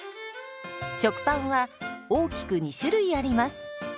食パンは大きく２種類あります。